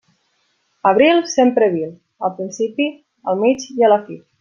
Abril sempre vil; al principi, al mig i a la fi.